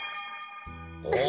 お！